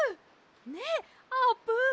ねっあーぷん？